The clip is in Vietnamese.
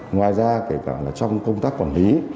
ngoài ra kể cả là trong công tác quản lý